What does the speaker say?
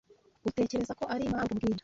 Utekereza ko arimpamvu mbwira